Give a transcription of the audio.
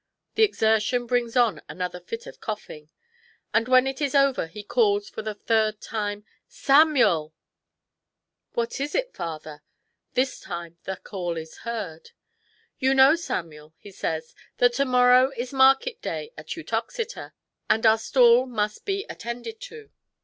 The exertion brings on another fit of coughing ; and when it is over he calls for the third time, " Samuel !"" What is it, father ?" This time the call is heard. " You know, Samuel," he says, " that to morrow is market day at Uttoxeter, and our stall must be at tended to.